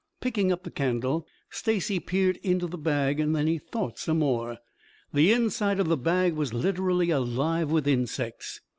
Picking up the candle, Stacy peered into the bag, then he thought some more. The inside of the bag was literally alive with insects.